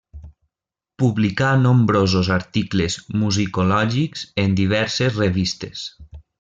Publicà nombrosos articles musicològics en diverses revistes.